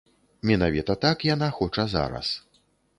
Менавіта так яна хоча зараз.